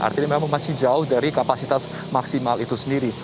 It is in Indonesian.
artinya memang masih jauh dari kapasitas maksimal itu sendiri